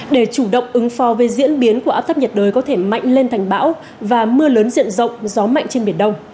để chủ động ứng pho về diễn biến của áp thấp nhiệt đới có thể mạnh lên thành bão và mưa lớn diện rộng gió mạnh trên biển đông